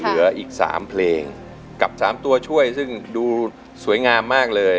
เหลืออีก๓เพลงกับสามตัวช่วยซึ่งดูสวยงามมากเลย